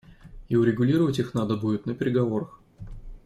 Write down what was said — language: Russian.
И урегулировать их надо будет на переговорах.